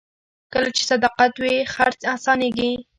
کله چې صداقت وي، خرڅ اسانېږي.